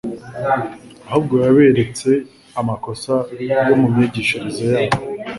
ahubwo yaberetse amakosa yo mu myigishirize yabo.